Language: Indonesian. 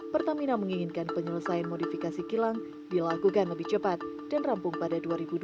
pertamina menginginkan penyelesaian modifikasi kilang dilakukan lebih cepat dan rampung pada dua ribu dua puluh